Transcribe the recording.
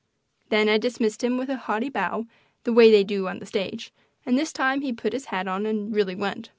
Then I dismissed him with a haughty bow, the way they do on the stage, and this time he put his hat on and really went.